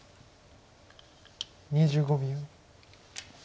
２５秒。